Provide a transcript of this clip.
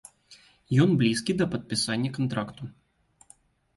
Ён блізкі да падпісання кантракту.